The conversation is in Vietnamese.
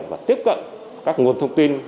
và tiếp cận các nguồn thông tin